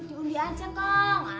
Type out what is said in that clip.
diundi aja kong